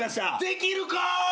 できるか！？